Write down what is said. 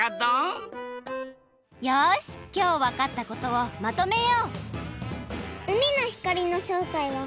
よしきょうわかったことをまとめよう！